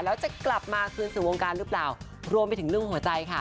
แล้วจะกลับมาคืนสู่วงการหรือเปล่ารวมไปถึงเรื่องหัวใจค่ะ